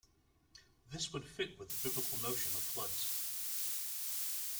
This would fit with the Biblical notion of floods.